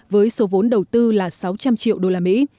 với số vốn đầu tư là sáu trăm linh triệu đô la mỹ